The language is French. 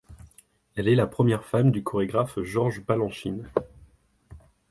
Elle est la première femme du chorégraphe George Balanchine.